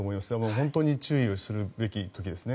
本当に注意をするべき時ですね。